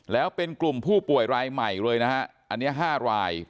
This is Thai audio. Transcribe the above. แล้วเป็นกลุ่มผู้ป่วยรายใหม่เลยนะฮะอันนี้๕ราย